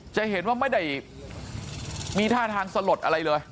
จะเห็นว่าไม่ได้มีท่าทางสลดอะไรเลย